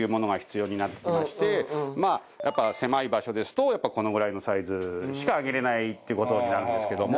やっぱ狭い場所ですとこのぐらいのサイズしかあげられないって事になるんですけども。